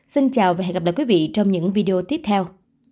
xin chào và hẹn gặp lại quý vị trong những video tiếp theo